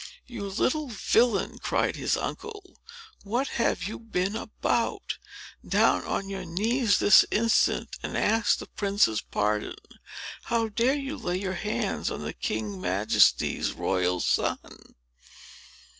"You little villain!" cried his uncle. "What have you been about? Down on your knees, this instant, and ask the prince's pardon. How dare you lay your hands on the king's Majesty's royal son?"